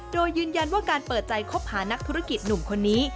โดยยืนยันว่าการเปิดใจคบหานักธุรกิจหนุ่มคนนี้